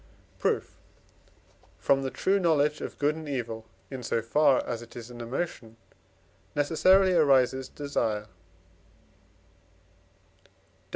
Proof. From the true knowledge of good and evil, in so far as it is an emotion, necessarily arises desire (Def.